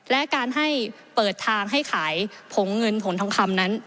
และการให้เปิดทางให้ขายผงเงินผงทองคำนั้น